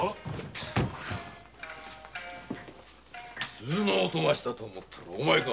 鈴の音がしたと思ったらお前か。